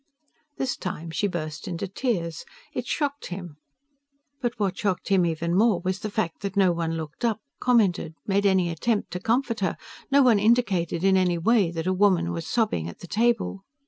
This time she burst into tears. It shocked him. But what shocked him even more was the fact that no one looked up, commented, made any attempt to comfort her; no one indicated in any way that a woman was sobbing at the table.